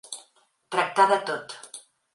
Tractar de tot.